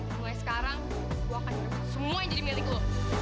mulai sekarang gue akan ngerebut semua yang jadi milik lu